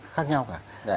khác nhau cả